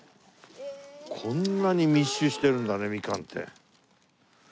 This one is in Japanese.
こんなに密集してるんだねミカンって。